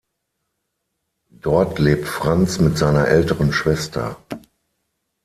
Dort lebt Franz mit seiner älteren Schwester.